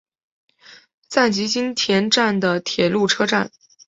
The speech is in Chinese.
赞岐津田站的铁路车站。